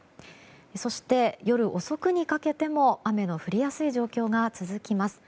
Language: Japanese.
そして、夜遅くにかけても雨の降りやすい状況が続きます。